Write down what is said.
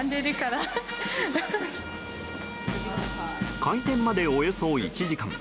開店までおよそ１時間。